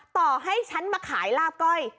ต่อให้ฉันมาขายลาบก้อย